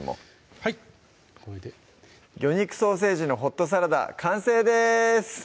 はいこれで「魚肉ソーセージのホットサラダ」完成です